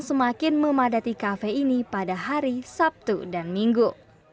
semakin memadati kafe ini pada hari sabtu dan minggu